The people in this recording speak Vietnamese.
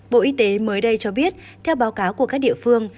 bộ y tế mới đây cho biết theo báo cáo của các địa phương